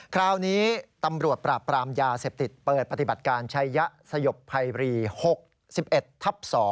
คราวนี้ตำรวจปราบปรามยาเสพติดเปิดปฏิบัติการชัยยะสยบภัยบรี๖๑ทับ๒